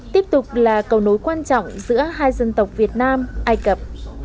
tiếp tục là cầu nối quan trọng giữa hai dân tộc việt nam ai cập